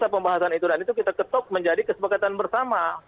pembahasan itu dan itu kita ketok menjadi kesepakatan bersama